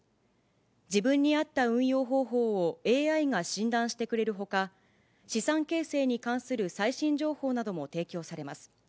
自分に合った運用方法をＡＩが診断してくれるほか、資産形成に関する最新情報なども提供されます。